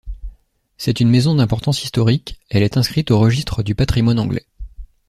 C'est une maison d'importance historique, elle est inscrite au registre du patrimoine anglais.